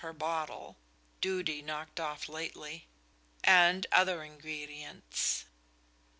per bottle (duty knocked off lately)" and other ingredients.